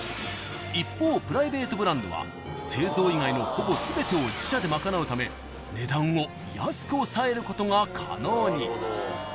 ［一方プライベートブランドは製造以外のほぼ全てを自社で賄うため値段を安く抑えることが可能に］